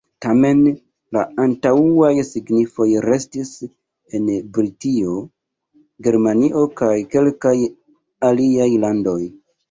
Tamen la antaŭaj signifoj restis en Britio, Germanio kaj kelkaj aliaj landoj.